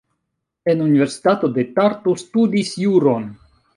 En Universitato de Tartu studis juron.